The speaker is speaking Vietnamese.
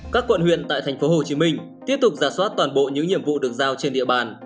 các quận huyện tại tp hcm tiếp tục giả soát toàn bộ những nhiệm vụ được giao trên địa bàn